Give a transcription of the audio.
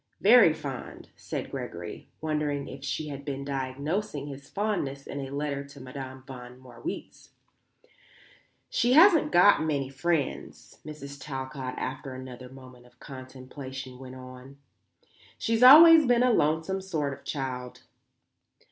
"Very fond," said Gregory, wondering if she had been diagnosing his fondness in a letter to Madame von Marwitz. "She hasn't got many friends," Mrs. Talcott, after another moment of contemplation, went on. "She's always been a lonesome sort of child."